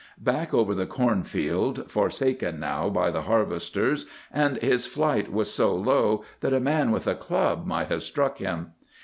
Back over the corn field, forsaken now by the harvesters, and his flight was so low that a man with a club might have struck him.